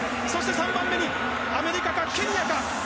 ３番目にアメリカかケニアか。